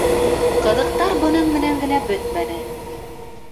Ҡыҙыҡтар бының менән генә бөтмәне.